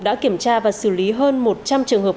đã kiểm tra và xử lý hơn một trăm linh trường hợp